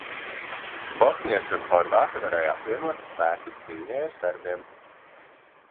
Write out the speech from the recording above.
Bosnieši un horvāti varēja apvienot spēkus cīņai ar serbiem.